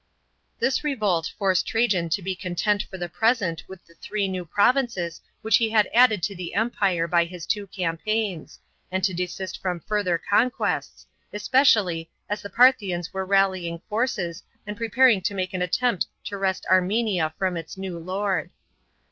§ 15. This revolt forced Trajan to be content for the present with the three new provinces which he had added to the Empire by his two campaigns, and to desist from further conquests, especially as the Parthians were rallying forces and preparing to make an attempt to wrest Armenia from its new lord.